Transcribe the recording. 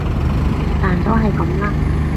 但都係噉啦